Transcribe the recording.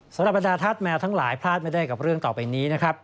สำหรับบรรดาธาตุแมวทั้งหลายพลาดไม่ได้กับเรื่องต่อไปนี้นะครับ